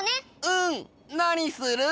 うんなにする？